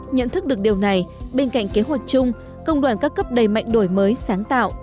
nhận thức được điều này bên cạnh kế hoạch chung công đoàn các cấp đầy mạnh đổi mới sáng tạo